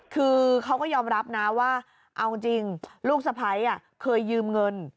คือเขาก็ยอมรับนะว่าเอาจริงลูกสะพ้ายเคยยืมเงิน